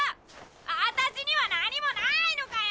アタシには何もないのかよ！？